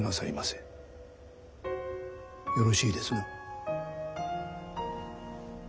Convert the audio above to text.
よろしいですな？